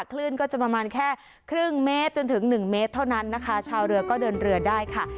คลื่นก็จะประมาณแค่ครึ่งเมตรจนถึงหนึ่งเมตรเท่านั้นนะคะชาวเรือก็เดินเรือได้ค่ะ